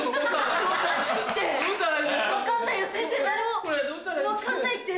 分かんないって！